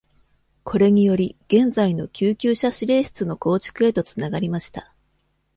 これにより、現在の救急車指令室の構築へとつながりました。